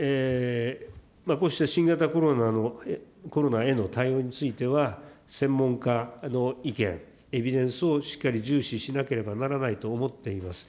こうした新型コロナへの対応については、専門家の意見、エビデンスをしっかり重視しなければならないと思っています。